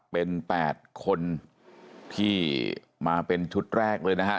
เป็น๘คนที่มาเป็นชุดแรกเลยนะฮะ